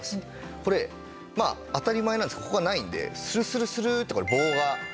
これまあ当たり前なんですがここがないんでスルスルスルっと棒が。